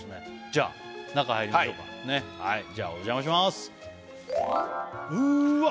じゃあ中入りましょうかじゃあお邪魔しますうーわ！